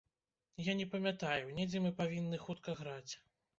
Я не памятаю, недзе мы павінны хутка граць.